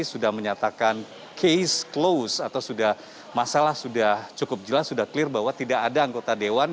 sudah menyatakan case close atau sudah masalah sudah cukup jelas sudah clear bahwa tidak ada anggota dewan